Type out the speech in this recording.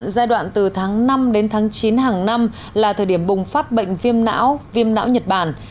giai đoạn từ tháng năm đến tháng chín hàng năm là thời điểm bùng phát bệnh viêm não viêm não nhật bản